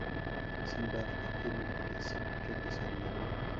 Simbad afirma que si regresaría.